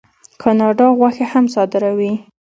کاناډا غوښه هم صادروي.